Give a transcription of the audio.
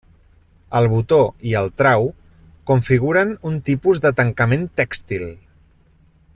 El botó i el trau configuren un tipus de tancament tèxtil.